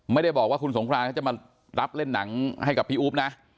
ไม่ได้บอกว่าคุณสงครานเขาจะมารับเล่นหนังให้กับพี่อุ๊บนะ